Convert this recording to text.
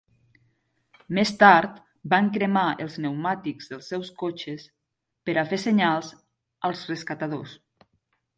Més tard, van cremar els pneumàtics dels seus cotxes per a fer senyals als rescatadors.